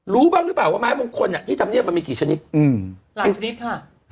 รู้บ้างหรือเปล่าว่าไม้มงคลที่ทำเนียบมันมีกี่ชนิดหลายชนิดค่ะ